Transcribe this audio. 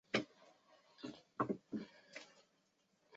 新宿区所在地。